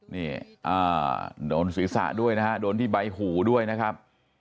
นี่โดนศีรษะด้วยนะฮะโดนที่ใบหูด้วยนะครับ